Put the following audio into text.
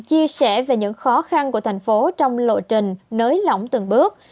chia sẻ về những khó khăn của thành phố trong lộ trình nới lỏng từng bước